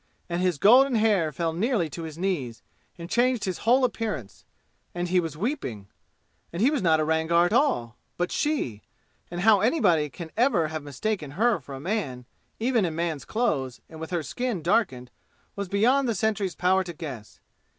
And his golden hair fell nearly to his knees and changed his whole appearance. And he was weeping. And he was not a Rangar at all, but she, and how anybody can ever have mistaken her for a man, even in man's clothes and with her skin darkened, was beyond the sentry's power to guess.